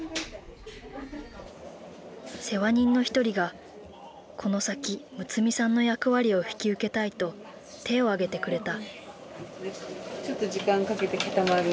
世話人の一人がこの先睦さんの役割を引き受けたいと手を挙げてくれた。